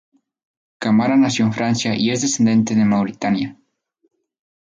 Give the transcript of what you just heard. Kamara nació en Francia y es descendiente de Mauritania.